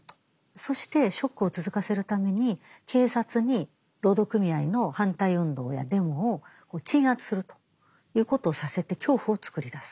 そしてショックを続かせるために警察に労働組合の反対運動やデモを鎮圧するということをさせて恐怖を作り出す。